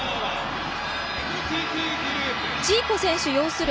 ジーコ選手擁する